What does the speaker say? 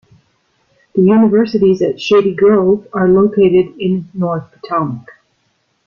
The Universities at Shady Grove are located in North Potomac.